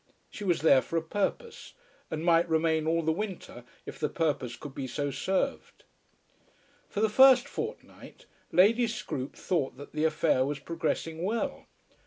She was there for a purpose, and might remain all the winter if the purpose could be so served. For the first fortnight Lady Scroope thought that the affair was progressing well.